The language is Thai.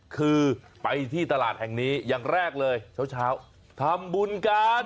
คือไปที่ตลาดแห่งนี้อย่างแรกเลยเช้าทำบุญกัน